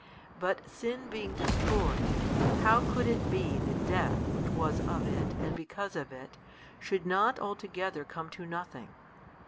But sin being destroyed, how could it be that death which was of it and because of it should not altogether come to nothing?